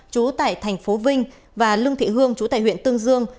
trú tại thành phố vinh và lương thị hương chú tại huyện tương dương